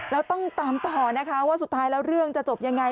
แล้วต้องตามต่อนะคะว่าสุดท้ายแล้วเรื่องจะจบยังไง